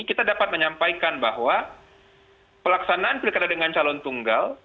kita dapat menyampaikan bahwa pelaksanaan pilkada dengan calon tunggal